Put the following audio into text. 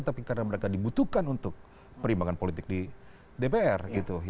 tapi karena mereka dibutuhkan untuk perimbangan politik di dpr